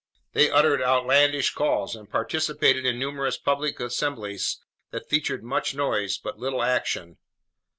They uttered outlandish calls and participated in numerous public assemblies that featured much noise but little action.